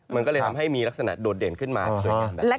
มันก็เลยทำให้มีลักษณะโดดเด่นขึ้นมา